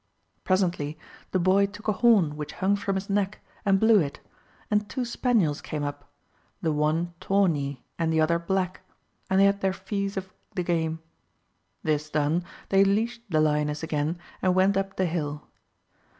Presently the boy took a horn which hung from his neck and blew it, and two spaniels came up, the one tawny and the other black, and they had their fees of the game ; this done they leashed the lioness again, and went up the hill.